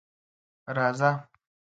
_راځه.